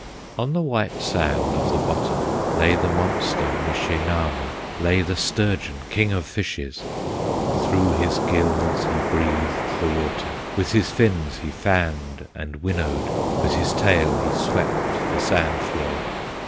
On the white sand of the bottom Lay the monster Mishe Nahma, Lay the sturgeon, King of Fishes; Through his gills he breathed the water, With his fins he fanned and winnowed, With his tail he swept the sand floor.